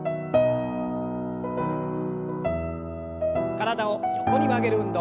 体を横に曲げる運動。